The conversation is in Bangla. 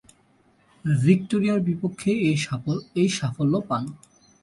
ভিক্টোরিয়ার বিপক্ষে এ সাফল্য পান।